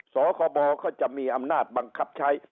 สคบก็จะมีอำนาจบังคับใช้